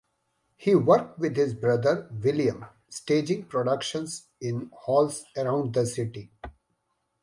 He worked with his brother, William, staging productions in halls around the city.